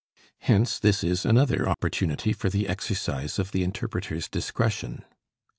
Hence this is another opportunity for the exercise of the interpreter's discretion.